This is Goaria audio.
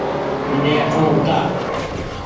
مني اٺون اوتآر ۔